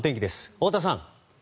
太田さん。